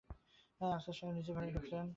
আফসার সাহেব নিজের ঘরে ঢুকলেন।